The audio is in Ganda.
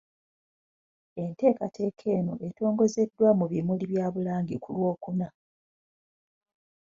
Enteekateeka eno etongozeddwa mu bimuli bya Bulange ku Lwokuna .